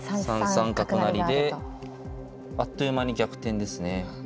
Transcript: ３三角成であっという間に逆転ですね。